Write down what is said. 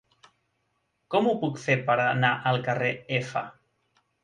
Com ho puc fer per anar al carrer F?